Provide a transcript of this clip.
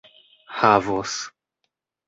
havos